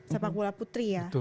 sepak bola putri ya